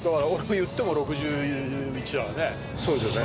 そうですよね。